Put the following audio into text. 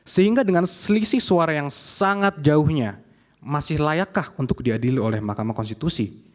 sehingga dengan selisih suara yang sangat jauhnya masih layakkah untuk diadili oleh mahkamah konstitusi